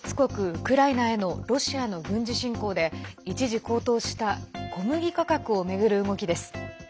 ウクライナへのロシアの軍事侵攻で一時、高騰した小麦価格を巡る動きです。